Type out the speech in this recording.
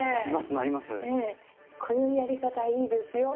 こういうやり方いいですよ。